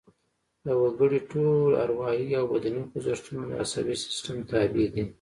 د وګړي ټول اروايي او بدني خوځښتونه د عصبي سیستم تابع دي